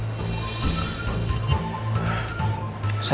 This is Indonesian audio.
enggak enggak enggak